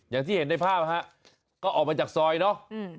อย่างที่เห็นในภาพฮะก็ออกมาจากซอยเนอะ